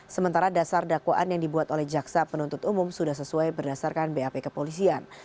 sementara dasar dakwaan yang dibuat oleh jaksa penuntut umum sudah sesuai berdasarkan bap kepolisian